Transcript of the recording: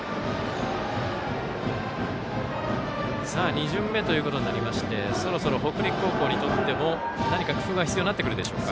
２巡目ということになりましてそろそろ北陸高校にとっても何か工夫が必要ですか。